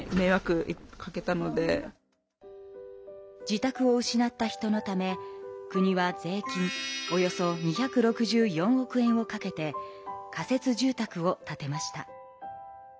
自宅を失った人のため国は税金およそ２６４億円をかけて仮設住宅を建てました。